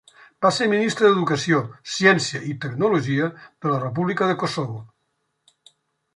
Va ser ministre d'Educació, Ciència i Tecnologia de la República de Kosovo.